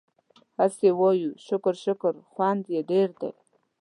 هسې وايو شکر شکر خوند يې ډېر دی